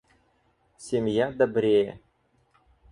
Семья добрее.